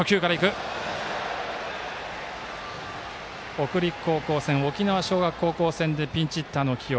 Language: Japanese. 北陸高校戦沖縄尚学高校戦でピンチヒッターの起用。